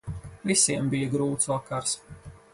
Visiem bija grūts vakars.